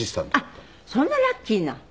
あっそんなラッキーな。